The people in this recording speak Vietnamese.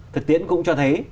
thực tiễn cũng cho thấy